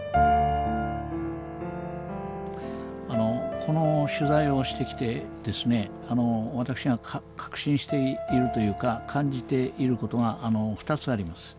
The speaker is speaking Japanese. この取材をしてきて私が確信しているというか感じていることが２つあります。